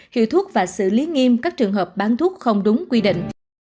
hiệu thuốc và xử lý nghiêm các trường hợp bán thuốc không đúng quy định